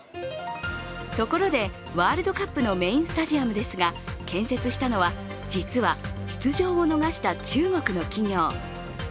ところで、ワールドカップのメインスタジアムですが、建設したのは実は出場を逃した中国の企業。